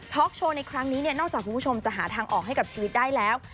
โชว์ในครั้งนี้เนี่ยนอกจากคุณผู้ชมจะหาทางออกให้กับชีวิตได้แล้ว